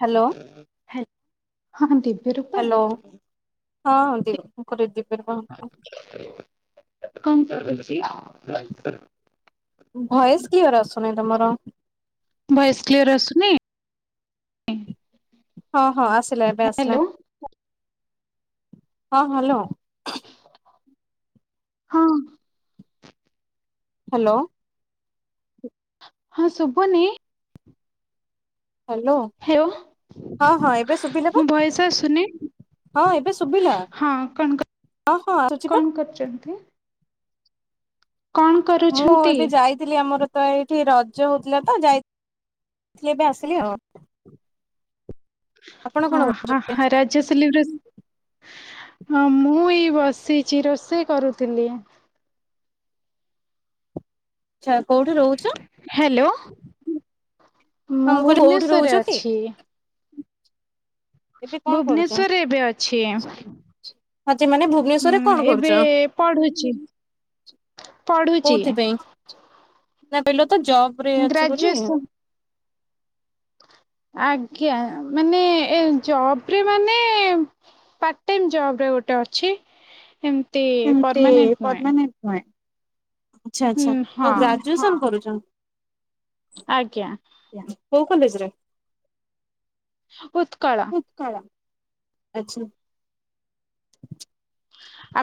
Hello hello ହଁ- ଦିବ୍ୟ Rupa? Hello ହଁ- [inaudible] କଣ କରୁଚି? ଭଏସ୍ କ୍ଲିଅର୍ ଆସୁନି ତମର। ଭଏସ୍ କ୍ଲିୟର୍ ଆସୁନି? ହଁ- ହଁ ଆସିଲା ଏବେ ଆସିଲା ହ୍ୟାଲୋ ହଁ ହାଲୋ। ହଁ। ହାଲୋ। ହଁ ଶୁବୁନି? ହାଲୋ ହ୍ୟାଲୋ ହଁ -ହଁ ଏବେ ଶୁବିଲା ମୋ ବା। ଭଏସ ଆସୁନି ହଁ ଏବେ ଶୁବିଲା ହଁ କଣ କ- ହଁ- ହଁ ଆସୁଚି ପା। କଣ କରୁଛନ୍ତି? କଣ୍। ମୁଁ ଏବେ ଯାଇଥିଲି ଆମର ତ ଏଇଠି ରଜ ହଉଥିଲା ତ ଯାଇ [unintelligible] ଏବେ ଆସିଲି ଆଉ। ଆପଣ କଣ ଓ ହ କରୁଛନ୍ତି? ହରତ୍ ରଜ ସେଲିବ୍ରେଟ୍ -ମୁଁ ଏଇ ବସିଚି ରୋଷେଇ କରୁଥିଲି। ଆଛା କଉଠି ରହୁଚ? ହ୍ୟାଲୋ ହଁ ମୁଁ କହିଲି କୋଉଠି ରହୁଛ ଭୁବନେଶ୍ୱରରେ କି ଅଛି। ଏବେ ଭୁବନେଶ୍ଵରରେ ଏବେ ଅଛି। ହଁ ଯେ ମାନେ ହୁଁ ଭୁବନେଶ୍ୱରରେ କଣ ଏବେ କରୁଚ? ପଢୁଛି ପଢୁଛି କଉଥିପାଇଁ [unintelligible] ତ ଜବ୍ ରେ ଅଛି ବୋଲି। ଗ୍ରାଜୁଏସନ ଆଜ୍ଞା ମାନେ ଏ ଜବ୍ ରେ ମାନେ ପାର୍ଟ ଟାଇମ୍ ଗୋଟେ ଜବ୍ ରେ ଗୋଟେ ଅଛି ଏମତି ପରମାନେଣ୍ଟ୍ ନୁହେଁ। ଆଚ୍ଛା ହୁଁ ଆଚ୍ଛା ତ ହଁ ଗ୍ରାଜୁଏସନ୍ କରୁଚ? ଆଜ୍ଞା। କଉ କଲେଜ୍ ରେ? ଉତ୍କଳ। ଉତ୍କଳ।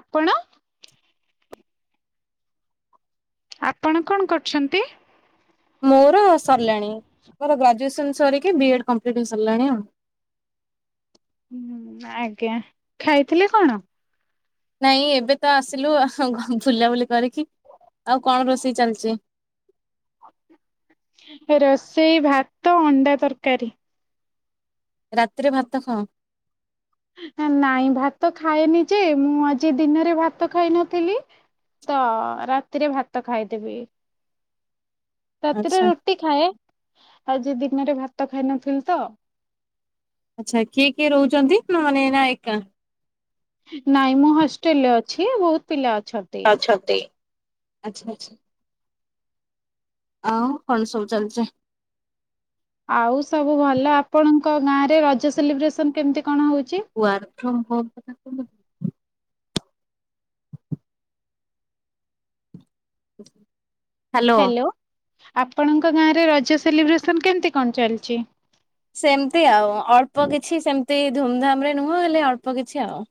ଆପଣ? ଆପଣ କଣ୍ କରୁଛନ୍ତି? ମୋର ସରିଲାଣି ମୋର ଗ୍ରାଜୁଏସନ୍ ସରିକି ବିଏଡ୍ କମ୍ପ୍ଲିଟ୍ ହେଇ ସାରିଲାଣି ଆଉ। ହୁଁ ଆଜ୍ଞା ଖାଇଥିଲେ କଣ? ନାଇଁ ଏବେ ତ ଆସିଲୁ ବୁଲାବୁଲି କରିକି ଆଉ କଣ ରୋଷେଇ ଚାଲିଚି? ରୋଷେଇ ଭାତ ଅଣ୍ଡା ତରକାରୀ। ରାତିରେ ଭାତ ଖାଅ? ନାଇଁ ଭାତ ଖାଏନି ଯେ ମୁଁ ଆଜି ଦିନରେ ଭାତ ଖାଇ ନଥିଲି। ତ ରାତିରେ ଭାତ ଖାଇଦେବି। ରାତିରେ ଆଚ୍ଛା ରୁଟି ଖାଏ ଆଜି ଦିନରେ ଭାତ ଖାଇ ନଥିଲି ତ। ଆଚ୍ଛା କିଏ କିଏ ରହୁଛନ୍ତି ନା ହନେ ନା ଏକା। ନାଇଁ ମୁଁ ହଷ୍ଟେଲ ରେ ଅଛି ବହୁତ ପିଲା ଅଛନ୍ତି। ଅଛନ୍ତି ଆଚ୍ଛା ଆଚ୍ଛା। ଆଉ କଣ ସବୁ ଚାଲିଚି। ଆଉ ସବୁ ଭଲ ଆପଣଙ୍କ ଗାଁ ରେ ରଜ ସେଲିବ୍ରେସନ କେମିତି କଣ ହଉଚି? ୱାର୍କ ଫ୍ରମ୍ ହୋମ୍ କଥା କହୁଚନ୍ତି। ହ୍ୟାଲୋ ଆପଣଙ୍କ ଗାଁରେ ରଜ ସେଲିବ୍ରେସନ୍ କେମିତି କଣ ଚାଲିଚି। ସେମିତି ଆଉ ଅଳ୍ପ କିଛି ସେମିତି ଧୁମଧାମ ରେ ନୁହଁ ହେଲେ ଅଳ୍ପ କିଛି ଆଉ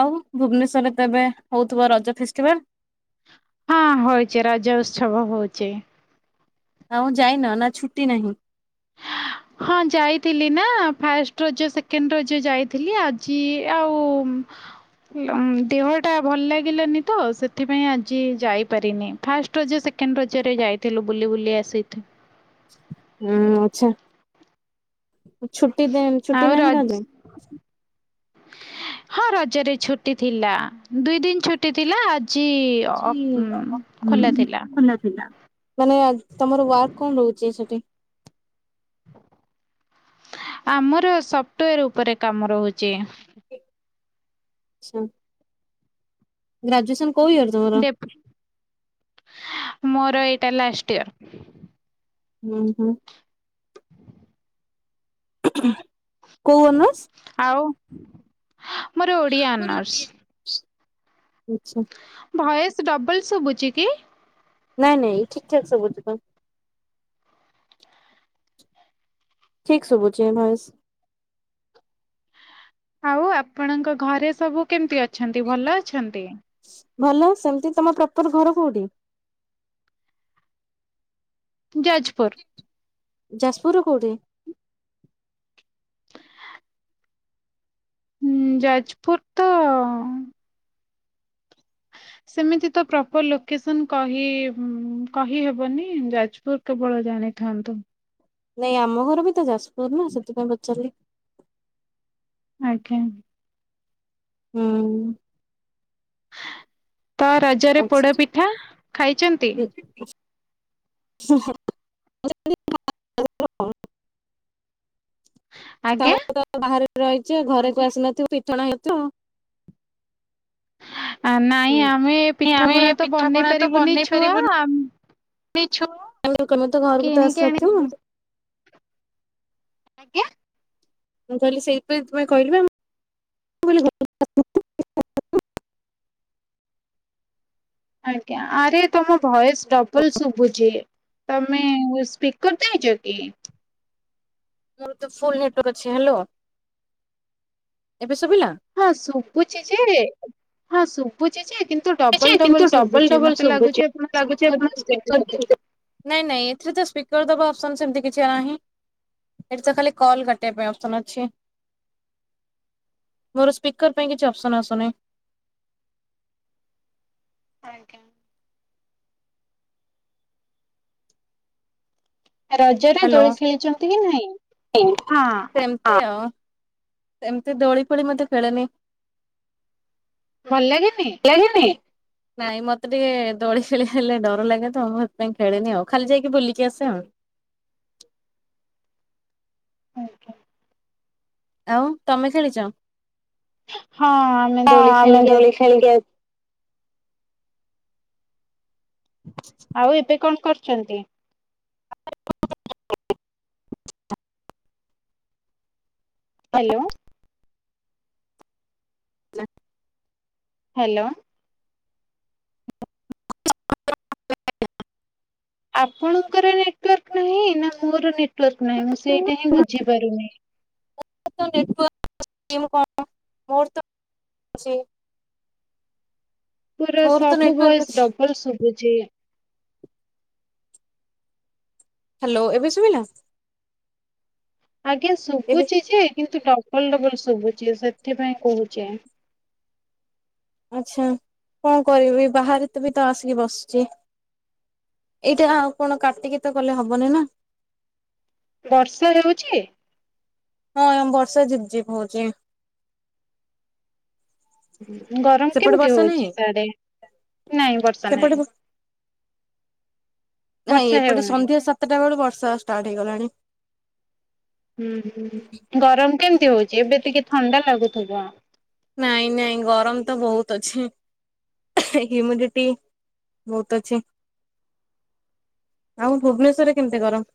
ଆଉ ଭୁବନେଶ୍ୱରରେ ତ ଏବେ ହଉଥିବ ରଜ ଫେଷ୍ଟିଭାଲ୍। ହଁ ହଉଚି ରଜ ଉତ୍ସବ ହଉଚି। ନା ଆଉ ଯାଇନ ନା ଛୁଟି ନାହିଁ। ହଁ ଯାଇଥିଲି ନା ଫାଷ୍ଟ ରଜ ସେକେଣ୍ଡ ରଜ ଯାଇଥିଲି ଆଜି ଆଉ ଦେହଟା ଭଲ ଲାଗିଲାନି ତ ସେଥିପାଇଁ ଆଜି ଯାଇପାରିନି ଫାଷ୍ଟ ରଜ ସେକେଣ୍ଡ ରଜରେ ଯାଇଥିଲୁ ବୁଲି ବୁଲି ଆସି ହଁ ଆଚ୍ଛା ଛୁଟି ଦେ ଛୁଟି ନାହିଁ ରଜ ରେ ହଁ ରଜରେ ଛୁଟି ଥିଲା ଦୁଇ ଦିନ୍ ଛୁଟି ଥିଲା ଆଜି ଅଫ୍ ଆଜି ଉଁ, ହୁଁ ଖୋଲା ଥିଲା ଖୋଲା ଥିଲା। ମାନେ ତମର ୱାର୍କ କଣ ରହୁଚି ସେଠି ଆମର ସଫ୍ଟୱେର ଉପରେ କାମ ରହୁଚି। ସ ଗ୍ରାଜୁଏସନ୍ କଉ ଇୟର? ତମର? ଡେଫ ମୋର ଏଇଟା ଲାଷ୍ଟ ଇୟର। ଉଁ ହୁଁ। କୋଉ ଅନର୍ସ? ଆଉ ମୋର ଓଡ଼ିଆ ଅନର୍ସ। ଆଚ୍ଛା। ଭୟସ୍ ଡବଲ ସୁବୁଚି କି? ନାଇ ନାଇ ଠିକ୍ ଠାକ୍ ସବୁଚି ତ। ଠିକ୍ ଶୁଭୁଚି ଭଏସ୍। ଆଉ ଆପଣଙ୍କ ଘରେ ସବୁ କେମିତି ଅଛନ୍ତି ଭଲ ଅଛନ୍ତି? ଭଲ ସେମିତି ତମ ପ୍ରପର ଘର କୋଉଠି? ଯାଜପୁର। ଯାଜପୁର ର କୋଉଠି? ହୁଁ ଯାଜପୁର ତ ସେମିତି ତ ପ୍ରପର ଲୋକେସନ୍ କହି କହିହେବନି ଯାଜପୁର କେବଳ ଜାଣିଥାନ୍ତୁ। ନାଇ ଆମ ଘର ବି ତ ଯାଜପୁରନା ସେଥିପାଇଁ ପଚାରିଲି। ଆଜ୍ଞା। ହୁଁ। ତ ରଜରେ ପୋଡ ଆଛା। ପିଠା ଖାଇଚନ୍ତି? [inaudible] ଆଜ୍ଞା ତମେ ତ ବାହାରେ ରହିଚ ଘରକୁ ଆସିନଥିବ ପିଠଣା ହେଇଥିବ। ନାଇଁ ହୁଁ ଆମେ ଏ ପିଠା ଆମେ ପଣା ତ ପିଠା ବନେଇ ପଣା ତ ପାରିବୁନି ବନେଇ ଛୁଆ ପାରିବୁନି ମିଛ [unintelligible] ଆମେ ଆମେ ତ ଘରକୁ ତ କିଣିକି ଆଣି ଆସିସାରିଥିବ। ଆଜ୍ଞା! ମୁଁ କହିଲି ସେଇଥିପାଇଁ ତୁମେ କହିଲିପା ମୁଁ ମୁଁ କହିଲି ଘର କୁ [unintelligible] ଆଜ୍ଞା! ଆରେ ତମ ଭଏସ୍ ଡବଲ ଶୁଭୁଚି। ତମେ ସ୍ପିକର ଦେଇଚ କି? ମୋର ତ ଫୁଲ୍ ନେଟୱର୍କ ଅଛି। ହ୍ୟାଲୋ! ଏବେ ଶୁଭିଲା। ହଁ ଶୁଭୁଚି ଯେ ହଁ ଶୁଭୁ ଶୁଭୁଚି ଯେ କିନ୍ତୁ ଡବଲ୍- ଡବଲ୍ ଶୁଭୁଚି ମତେ ଲାଗୁଚି ଯେ ଆପଣ ସ୍ପିକର ଦେଇଛନ୍ତି ବୋଧେ। ନାଇଁ- ନାଇଁ ଏଥିରେ ତ ସ୍ପିକର ଦବା ଅପସନ ସେମିତି କିଛି ନାହିଁ। ଏଠି ତ ଖାଲି କଲ୍ କଟିବା ପାଇଁ ଅପସନ୍ ଅଛି। ମୋର ସ୍ପିକର ପାଇଁ କିଛି ଅପସନ ଆସୁନାହିଁ। ଆଜ୍ଞା! ରଜରେ ହ୍ୟାଲୋ! ଦୋଳି ଖେଳିଛନ୍ତି କି ନାହିଁ? ହଁ ସେମତି ଅ ଏମିତି ଦୋଳି ଫୋଳି ମତେ [inaudible] ଭଲ ଲାଗେନି। ଲାଗେନି। ନାଇଁ ମତେ ଟିକେ ଦୋଳି ଖେଳି ହେଲେ ଡର ଲାଗେ ତ ମୁଁ ସେଥିପାଇଁ ଖେଳିନି ଆଉ ଖାଲି ଯାଇକି ବୁଲିକି ଆସେ ଆଉ ଆଜ୍ଞା! ଆଉ ତମେ ଖେଳିଛ। ହଁ ଆମେ ଦୋଳି ହଁ ଆମେ ଖେଳିକି ଆସ ଦୋଳି ଖେଳିକି ଆଇ ହ ଆଉ ଏବେ କଣ କରୁଛନ୍ତି? [inaudible] ହ୍ୟାଲୋ! ଆସିଚି। ହ୍ୟାଲୋ! ଆପଣଙ୍କର ନେଟୱାର୍କ ନାହିଁ। ନା ମୋର ନେଟୱାର୍କ ନାହିଁ। ମୁଁ ସେଇଟା ହିଁ ବୁଝିପାରୁନି। ଣ ମୋର ତ [inaudible] ପୁରା ମୋର ତ ସବୁ ନେଟୱାର୍କ ଭୟସ ଅଛି ଡବଲ ଶୁଭୁଛି। ହ୍ୟାଲୋ! ଏବେ ସୁବିଲା। ଆଜ୍ଞା! ଏବେ ଶୁଭୁଚି ଯେ କିନ୍ତୁ ଡବଲ- ଡବଲ ଶୁଭୁଛି। ସେଥିପାଇଁ କହୁଛେ ଆଚ୍ଛା! କଣ କରିବି ବାହାରେ ତ ବି ତ ଆସିକି ବସୁଛି। ଏଇଟା ଆଉ କଣ କାଟିକି ତ କଲେ ହବନି ନା ବର୍ଷା ହେଉଛି। ହଁ ବର୍ଷା ଝିପି -ଝିପି ହଉଛି। ଗରମ ସେପଟେ କେମିତି ବର୍ଷା ନାହିଁ? ହଉଛି। ସିଆଡେ ନାଇଁ ବର୍ଷା ସେପଟେ ନାହିଁ। ନାଇଁ ବର୍ଷା ଏପଟେ ହେଉନାହିଁ। ସନ୍ଧ୍ୟା ସାତଟା ବେଳୁ ବର୍ଷା ଷ୍ଟାର୍ଟ ହେଇଗଲାଣି। ହୁଁ- ହୁଁ ଗରମ କେମିତି ହଉଛି। ଏବେ ଟିକେ ଥଣ୍ଡା ଲାଗୁଥିବ। ନାଇଁ -ନାଇଁ ଗରମ ତ ବହୁତ ଅଛି। ସେଇଟି ମୁଁ ଥିଭି ବହୁତ ଅଛି। ଆଉ ଭୁବେନେଶ୍ୱର କେମିତି ଗରମ।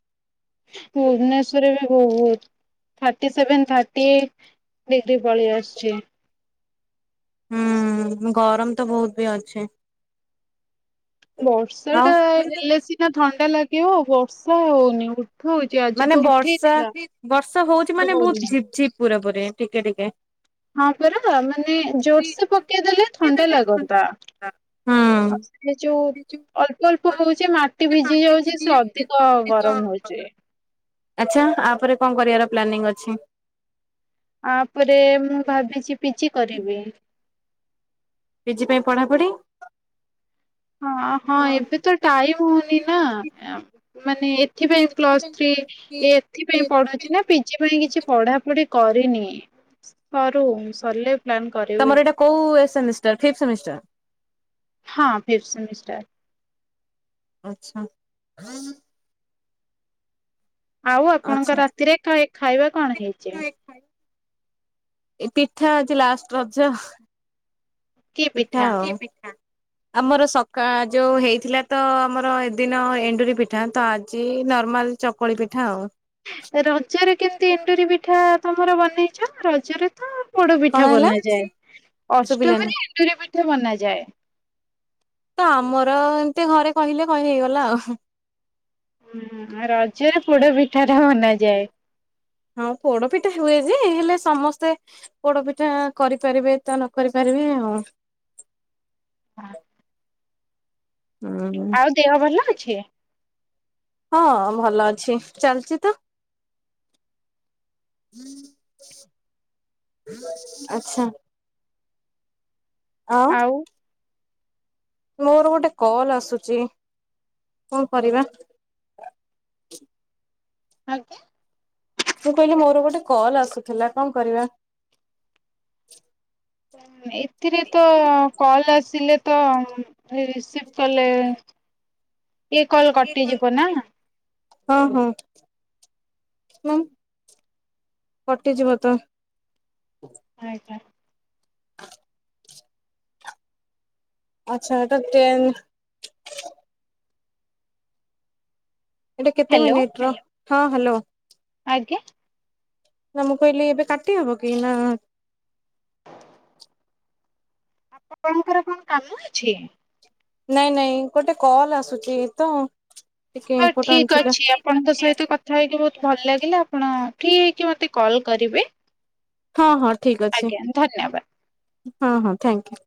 ଭୁବନେଶ୍ଵରରେ ବି ବହୁତ। Thirty seven thirty eight degree ପଳେଇ ଆସୁଛି। ହୁଁ ଗରମ ତ ବହୁତ ବି ଅଛେ। ବର୍ଷା ଆଉ ଟା ହେଲେ ସିନା ଥଣ୍ଡା ଲାଗିବ ବର୍ଷା ହଉନି ଉଠାଉଛି। ମାନେ ବର୍ଷା ବର୍ଷା ହଉଛି କିନ୍ତୁ ମାନେ ବହୁତ ହଉନି। ଝିପ ଝିପ ପୁରା ପୁରି ଟିକେ ଟିକେ। ହଁ ପରା ମାନେ ଜୋରସ ପକେଇଦେଲେ ଥଣ୍ଡା ଲାଗନ୍ତା ହୁଁ ଆଉ ସେ ଯୋଉ ଅଳ୍ପ ଅଳ୍ପ ହଉଛି ମାଟି ଭିଜି ଯାଉଛି ସେ ଅଧିକ ଗରମ ହଉଛି। ଆଚ୍ଛା ଆପରେ କଣ କରିବାର ପ୍ଲାନିଂ ଅଛି? ଆପରେ ମୁଁ ଭାବିଛି ପିଜି କରିବି। ପିଜି ପାଇଁ ପଢାପଢି। ହଁ, ହଁ ଏବେ ତ ଟାଇମ ହଉନି ନା ମାନେ ଏଥିପାଇଁ ପ୍ଲସ୍ ଥ୍ରୀ ଏଥିପାଇଁ ପଢୁଛି ନା ପିଜି ପାଇଁ କିଛି ପଢାପଢି କରିନି ସରୁ ସରିଲେ ପ୍ଲାନ୍ କରିବି। ତମର ଏଇଟା କୋଉ ଏ ସେମିଷ୍ଟାର ଫିପ୍ଥ ସେମିଷ୍ଟର। ହଁ ଫିଫ୍ଥ ସେମିଷ୍ଟାର୍। ଆଛା। ଆଉ ଆପଣଙ୍କ ଆଚ୍ଛା ରାତିରେ ଖାଇ -ଖାଇବା କଣ ହେଇଛି। ଏଇ ପିଠା ଅଛି ଲାଷ୍ଟ ରଜ। ପିଠା ହବ, ରୁଟି ପିଠା। ଆମର ସକାଳ ଯୋଉ ହେଇଥିଲା ତ ଆମର ଏଦିନ ଏଣ୍ଡୁରି ପିଠା ତ ଆଜି ନର୍ମାଲ। ଚକଳି ପିଠା ଆଉ। ରଜରେ କେମିତି ଏଣ୍ଡୁରି ପିଠା ତମର ବନେଇଛ ରଜରେ ତ ପୋଡ କଣ ପିଠା ହେଲା? ବନାଯାଏ, ଶୁଭିଲାନି ଅଷ୍ଟମୀରେ ଏଣ୍ଡୁରି ପିଠା ବନାଯାଏ। ତ ଆମର ଏମିତି ଘରେ କହିଲେ କହି ହେଇଗଲା ଆଉ। ହୁଁ ରଜରେ ପୋଡ ପିଠା ଟା ବନାଯାଏ। ହଁ, ପୋଡପିଠା ହୁଏ ଯେ ହେଲେ ସମସ୍ତେ ପୋଡ ପିଠା କରିପାରିବେ ତା ନ କରି ପାରିବେ ଆଉ। ହଁ। ହୁଁ, ହୁଁ। ଦେହ ଭଲ ଅଛି? ହଁ ଭଲ ଅଛି ଚାଲିଛି ତ। ଆଚ୍ଛା। ଆଉ। ମୋର ଗୋଟେ କଲ୍ ଆସୁଛି କଣ କରିବା? ଆଜ୍ଞା। ମୁଁ କହିଲି ମୋର ଗୋଟେ କଲ୍ ଆସୁଥିଲା କଣ କରିବା? ହୁଁ ଏଥିରେ ତ କଲ ଆସିଲେ ତ ରିସିଭ୍ କଲେ ଇଏ କଲ କଟିଯିବ ନା। ହଁ, ହଁ ଫୋନ୍ କଟିଯିବ ତ। ଆଜ୍ଞା। ଆଚ୍ଛା ଏଟା ଗୋଟେନ୍ ଏଇଟା କେତେ ହ୍ୟାଲୋ ମିନିଟ ର ହଁ ହାଲୋ। ଆଜ୍ଞା। ନା ମୁଁ କହିଲି ଏବେ କାଟି ହବ କି ନା ଆପଣଙ୍କର କଣ କାମ ଅଛି? ନାଇଁ ନାଇଁ ଗୋଟେ କଲ୍ ତ ଆସୁଛି ତ ଟିକେ ହଉ ଠିକ ଇମ୍ପୋଟାଣ୍ଟ ଅଛି ଆପଣଙ୍କ ଥିଲା। ସହିତ କଥା ହେଇକି ବହୁତ୍ ଭଲ ଲାଗିଲା ଆପଣ ଫ୍ରି ହେଇକି ମତେ କଲ୍ କରିବେ। ହଁ ହଁ ଠିକ ଅଛି ଆଜ୍ଞା ଧନ୍ୟବାଦ। ହଁ ହଁ ଥ୍ୟାଙ୍କୟୁ।